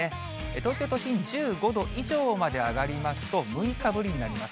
東京都心、１５度以上まで上がりますと、６日ぶりになります。